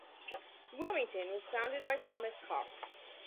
Wilmington was founded by Thomas Cox.